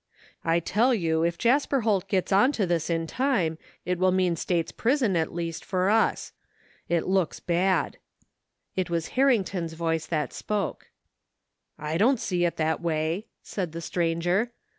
I tell you if Jasper Holt get's onto this in time it will mean State's prison at least for us:. It looks bad." It was Harrington's voice that spoke. " I don't see it that way," said the stranger.